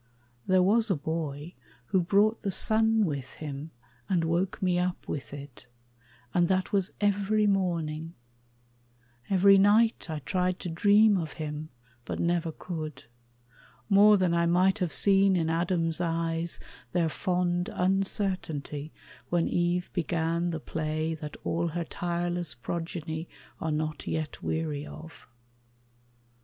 There was a boy who brought The sun with him and woke me up with it, And that was every morning; every night I tried to dream of him, but never could, More than I might have seen in Adam's eyes Their fond uncertainty when Eve began The play that all her tireless progeny Are not yet weary of.